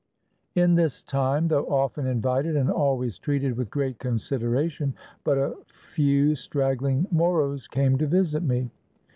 In this time, though often invited and always treated with great consideration, but a few straggling Moros came to visit me.